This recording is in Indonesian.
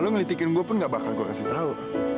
lo ngelitikin gue pun gak bakal gue kasih tau